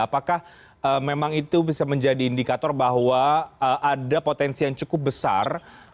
apakah memang itu bisa menjadi indikator bahwa ada potensi yang cukup besar